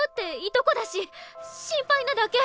いとこだし心配なだけ。